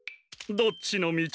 どっちのみち？